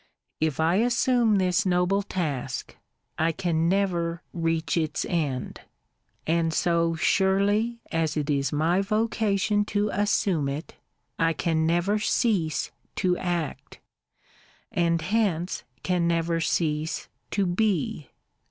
If 1 assume this noble (ask, 1 ran never reach its endj and so surely as it is my vocation to assume it, I can never to act) ami hence can never cease to he.